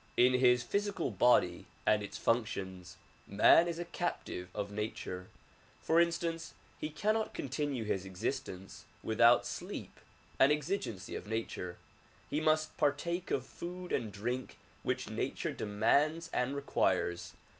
In his physical body and its functions man is a captive of nature ; for instance, he cannot continue his existence without sleep an exigency of nature ; he must partake of food and drink which nature demands and requires.